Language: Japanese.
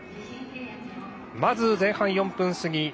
まず、前半４分過ぎ。